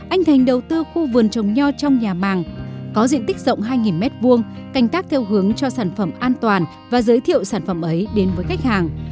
anh thành đầu tư khu vườn trồng nho trong nhà màng có diện tích rộng hai m hai canh tác theo hướng cho sản phẩm an toàn và giới thiệu sản phẩm ấy đến với khách hàng